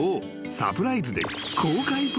サプライズで］